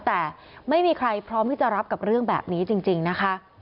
แต่ไม่มีใครพร้อมที่จะรับกับเรื่องแบบนี้จริงนะคะ